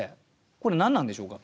これ何なんでしょうか？